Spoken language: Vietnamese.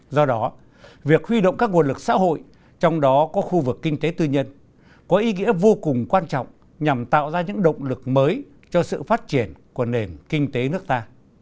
do đó việc huy động các nguồn lực xã hội trong đó có khu vực kinh tế tư nhân có ý nghĩa vô cùng quan trọng nhằm tạo ra những động lực mới cho sự phát triển của nền kinh tế nước ta